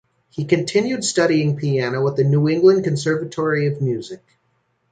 He continued studying piano at the New England Conservatory of Music.